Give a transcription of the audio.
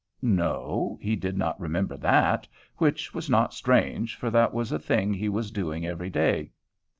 No, he did not remember that, which was not strange, for that was a thing he was doing every day.